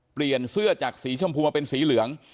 เปลี่ยนเสื้อจากสีชมพูมาเป็นสีเหลือง